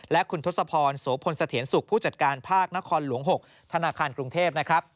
และคุณทศพรโสพลเสถียรสุขผู้จัดการภาคนครหลวง๖ธนาคารกรุงเทพนะครับ